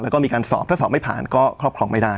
แล้วก็มีการสอบถ้าสอบไม่ผ่านก็ครอบครองไม่ได้